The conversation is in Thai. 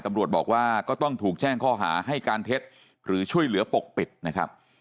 ตำรวจบอกว่าก็ต้องถูกแจ้งข้อหาให้การเท็จหรือช่วยเหลือปกปิดนะครับ